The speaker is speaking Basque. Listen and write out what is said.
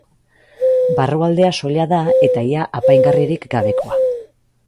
Barrualdea soila da eta ia apaingarririk gabekoa.